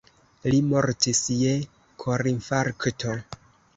Li mortis je korinfarkto.